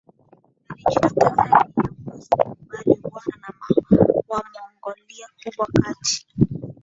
yalijitokeza yaliyopaswa kukubali ubwana wa Wamongolia Kubwa kati